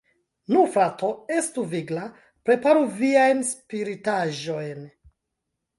Nu, frato, estu vigla, preparu viajn spritaĵojn!